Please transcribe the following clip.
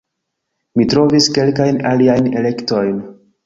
Mi trovis kelkajn aliajn elektojn